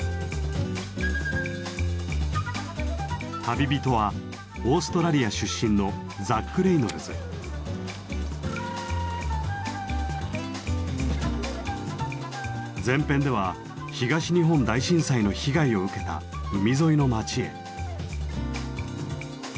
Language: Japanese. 旅人はオーストラリア出身の前編では東日本大震災の被害を受けた海沿いの町へ。